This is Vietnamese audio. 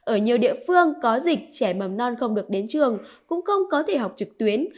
ở nhiều địa phương có dịch trẻ mầm non không được đến trường cũng không có thể học trực tuyến